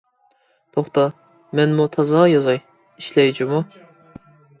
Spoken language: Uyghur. توختا، مەنمۇ تازا يازاي، ئىشلەي جۇمۇ!